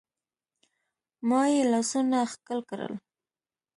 ما يې لاسونه ښکل کړل.